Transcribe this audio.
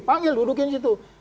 panggil dudukin di situ